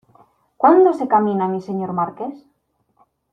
¿ cuándo se camina, mi Señor Marqués?